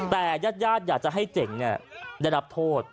แต่ญาติอยากจะให้เจ๋งได้รับโทษ